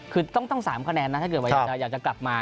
คือต้อง๓คะแนนนะถ้าเกิดว่าอยากจะกลับมา